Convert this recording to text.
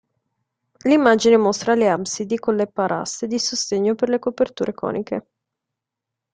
L'immagine mostra le absidi con le paraste di sostegno per le coperture coniche.